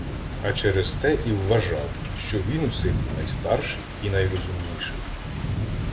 А через те і вважав, що він у селі найстарший і найрозумніший.